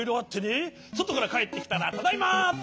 そとからかえってきたら「ただいま」。